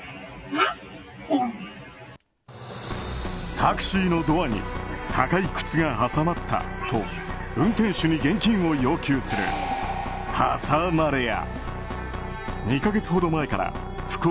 タクシーのドアに高い靴が挟まったと運転手に現金を要求する挟まれ屋。